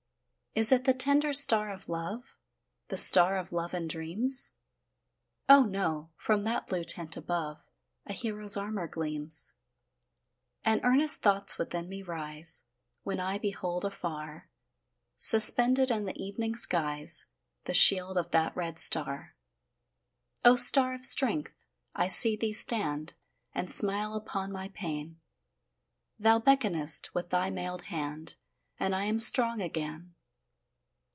Is it the tender star of love? The star of love and dreams? Oh, no! from that blue tent above, A hero's armour gleams. And earnest thoughts within me rise, When I behold afar, Suspended in the evening skies The shield of that red star. O star of strength! I see thee stand And smile upon my pain; Thou beckonest with thy mailed hand, And I am strong again.